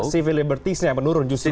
sipil libertisnya yang menurun justru ya